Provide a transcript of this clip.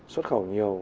xuất khẩu nhiều